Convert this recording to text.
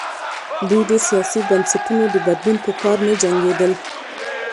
دوی د سیاسي بنسټونو د بدلون په پار نه جنګېدل.